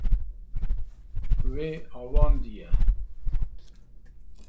Wê avandiye.